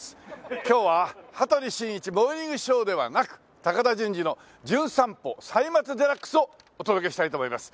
今日は『羽鳥慎一モーニングショー』ではなく高田純次の『じゅん散歩歳末デラックス』をお届けしたいと思います。